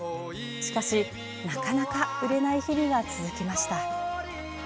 しかし、なかなか売れない日々が続きました。